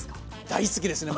大好きですね